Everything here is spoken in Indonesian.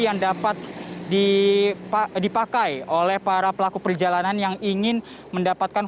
yang dapat dipakai oleh para pelaku perjalanan yang ingin mendapatkan